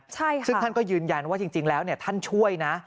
ใช่ค่ะซึ่งท่านก็ยืนยันว่าจริงแล้วท่านช่วยนะ